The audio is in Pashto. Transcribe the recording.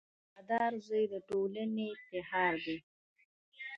• وفادار زوی د ټولنې افتخار دی.